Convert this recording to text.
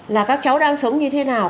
là các cháu đang sống như thế nào